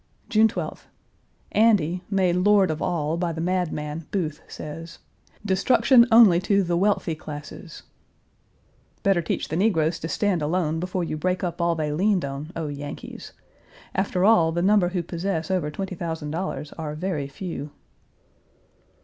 June 12th. Andy, made lord of all by the madman, Booth, says, "Destruction only to the wealthy classes." Better teach the negroes to stand alone before you break up all they leaned on, O Yankees! After all, the number who possess over $20,000 are very few.